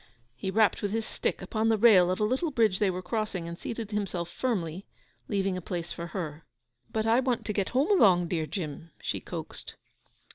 He rapped with his stick upon the rail of a little bridge they were crossing, and seated himself firmly, leaving a place for her. 'But I want to get home along,' dear Jim, she coaxed.